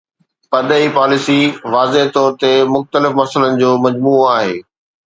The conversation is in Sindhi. پرڏيهي پاليسي واضح طور تي مختلف مسئلن جو مجموعو آهي.